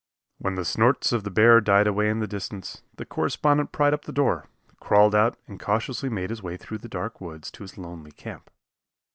When the snorts of the bear died away in the distance, the correspondent pried up the door, crawled out and cautiously made his way through the dark woods to his lonely camp.